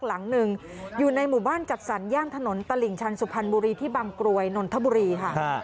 หลังหนึ่งอยู่ในหมู่บ้านจัดสรรย่านถนนตลิ่งชันสุพรรณบุรีที่บางกรวยนนทบุรีค่ะ